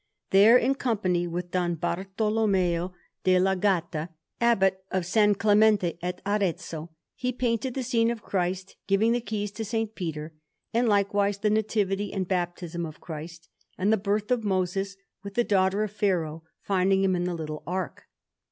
There, in company with Don Bartolommeo della Gatta, Abbot of S. Clemente at Arezzo, he painted the scene of Christ giving the keys to S. Peter; and likewise the Nativity and Baptism of Christ, and the Birth of Moses, with the daughter of Pharaoh finding him in the little ark.